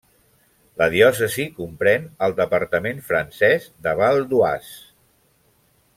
La diòcesi comprèn el departament francès de Val-d'Oise.